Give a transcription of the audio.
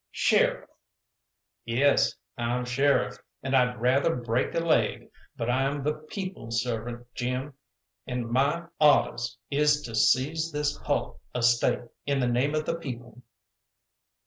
"Sheriff!" "Yes, I'm sheriff, and I'd rather break a laig. But I'm the People's servant, Jim, and my awdehs is to seize this hull estate, in the name o' the People."